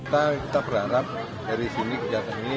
kita berharap dari sini ke jalan ini